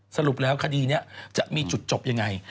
สรุปแล้วคดีนี้จะมีจุดจบยังไง